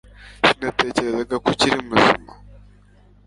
Sinatekerezaga ko ukiri muzima